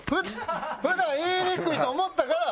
普段言いにくいと思ったから。